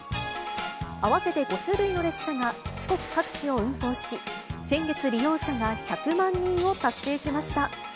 合わせて５種類の列車が四国各地を運行し、先月、利用者が１００万人を達成しました。